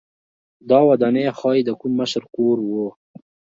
دا ودانۍ ښايي د کوم مشر کور و